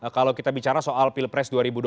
kalau kita bicara soal pilpres dua ribu dua puluh